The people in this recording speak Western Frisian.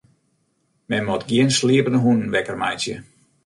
Men moat gjin sliepende hûnen wekker meitsje.